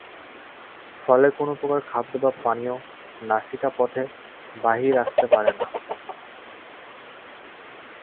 ফলে কোন প্রকার খাদ্য বা পানীয় নাসিকা পথে বাইরে আসতে পারে না।